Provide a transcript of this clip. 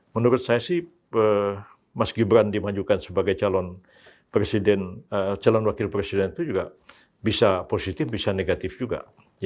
menurut saya sih mas gibran dimajukan sebagai calon wakil presiden itu juga bisa positif bisa negatif juga